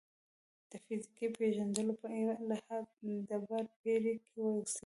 د فیزیکي پېژندلو په لحاظ ډبرپېر کې اوسېږي.